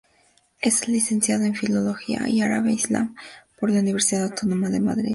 Es licenciado en Filología Árabe e Islam por la Universidad Autónoma de Madrid.